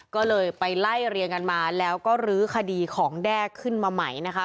ก็เลยไปไล่เรียงกันมาแล้วก็รื้อคดีของแด้ขึ้นมาใหม่นะคะ